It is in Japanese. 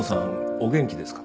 お元気ですか？